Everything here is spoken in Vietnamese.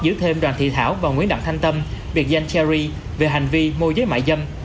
giữ thêm đoàn thị thảo và nguyễn đặng thanh tâm việt danh cherry về hành vi mô giới mại dâm